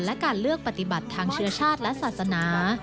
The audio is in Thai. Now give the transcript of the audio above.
และการเลือกปฏิบัติทางเชื้อชาติและศาสนา